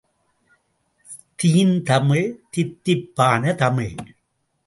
தீந்தமிழ் தித்திப்பான தமிழ்.